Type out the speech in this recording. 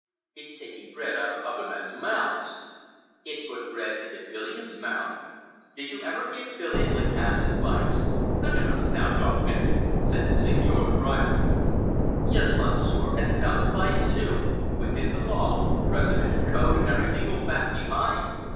"It's taking bread out of other men's mouths." "It put bread into Filion's mouth. Did you ever give Lacasse advice? The truth now, Dauphin!" said the Seigneur drily. "Yes, Monsieur, and sound advice too, within the law precedent and code and every legal fact behind."